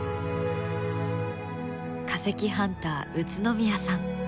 化石ハンター宇都宮さん。